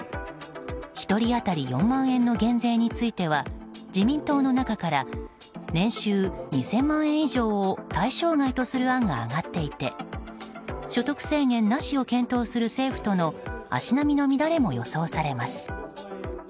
１人当たり４万円の減税については自民党の中では年収２０００万円以上を対象外とする案が上がっていて所得制限なしを検討する政府との足並みの乱れも予想されます。